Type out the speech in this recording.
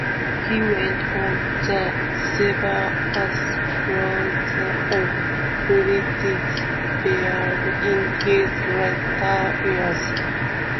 He went on to serve as President of Phillips Petroleum in his later years.